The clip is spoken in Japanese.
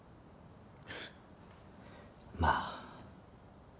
まあ。